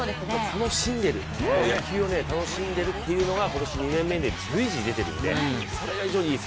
楽しんでいる、野球を楽しんでいるというのが今年２年目で、随時出ているのでそれが非常にいいです。